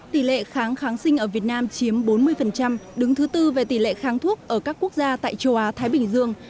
tỷ lệ kháng kháng sinh ở việt nam chiếm bốn mươi đứng thứ tư về tỷ lệ kháng thuốc ở các quốc gia tại châu á thái bình dương